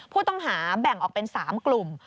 ผู้ต้องหาแบ่งออกเป็น๓กลุ่ม